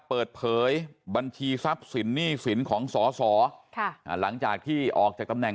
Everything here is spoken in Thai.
เปิดเผยบัญชีทรัพย์สินหนี้สินของสอสอค่ะอ่าหลังจากที่ออกจากตำแหน